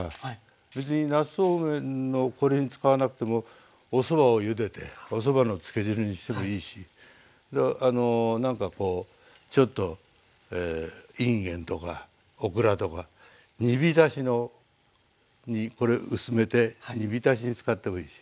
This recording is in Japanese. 別になすそうめんのこれに使わなくてもおそばをゆでておそばのつけ汁にしてもいいしなんかこうちょっとインゲンとかオクラとか煮浸しにこれ薄めて煮浸しに使ってもいいし。